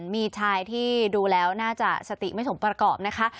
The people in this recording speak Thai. มีชายที่ดูแล้วน่าจะสติไม่สมประกอบนะคะ